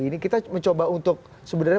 ini kita mencoba untuk sebenarnya